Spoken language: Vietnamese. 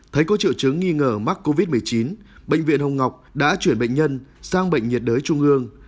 thấy có triệu chứng nghi ngờ mắc covid một mươi chín bệnh viện hồng ngọc đã chuyển bệnh nhân sang bệnh nhiệt đới trung ương